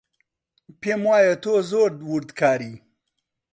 پێم وایە تۆ زۆر وردکاریت.